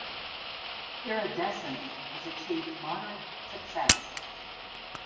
"Iridescent" has achieved moderate success.